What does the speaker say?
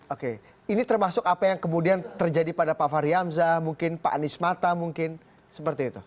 oke ini termasuk apa yang kemudian terjadi pada pak fahri hamzah mungkin pak anies mata mungkin seperti itu